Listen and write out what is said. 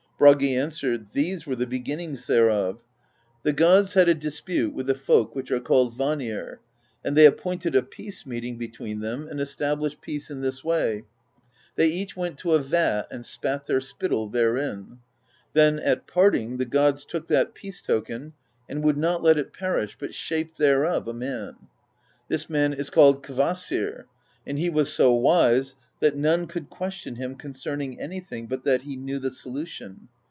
Bragi answered: "These were the beginnings thereof: The gods had a dis THE POESY OF SKALDS 93 pute with the folk which are called Vanir, and they ap pointed a peace meeting between them and established peace in this way : they each went to a vat and spat their spittle therein. Then at parting the gods took that peace token and would not let it perish, but shaped thereof a man. This man is called Kvasir, and he was so wise that none could question him concerning anything but that he knew the solution.